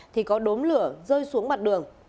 thì có đốm lửa rơi xuống mặt đường